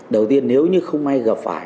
đầu tiên nếu như không may gặp phải